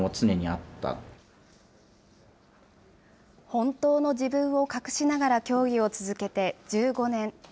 本当の自分を隠しながら競技を続けて１５年。